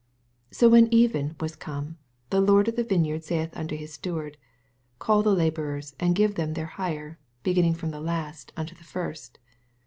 8 So when even was come, the lord of the vineyard saith unto his steward, Call the laborers, and give them i^eir hire, beginning from tihe last unto the first.